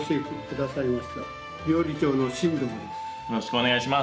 よろしくお願いします。